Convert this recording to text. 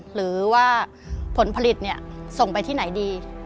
หรือว่าผลผลิตส่งไปที่ไหนดี